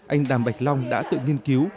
anh đàm bạch long đã tự nghiên cứu